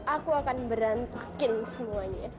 aku akan berantakin semuanya